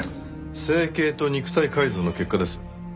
整形と肉体改造の結果です。